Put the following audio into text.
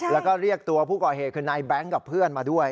แล้วก็เรียกตัวผู้ก่อเหตุคือนายแบงค์กับเพื่อนมาด้วย